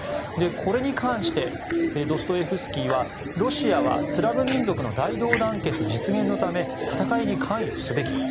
これに関してドストエフスキーはロシアはスラブ民族の大同団結実現のため戦いに参加すべきだ。